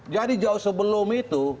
jadi jauh sebelum itu